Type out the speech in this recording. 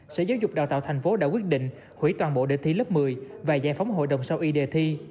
sở giáo dục đào tạo thành phố đã quyết định hủy toàn bộ đề thi lớp một mươi và giải phóng hội đồng sau y đề thi